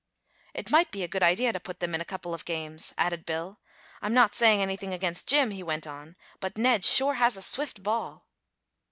"It might be a good idea to put them in a couple of games," added Bill. "I'm not saying anything against Jim," he went on, "but Ned sure has a swift ball."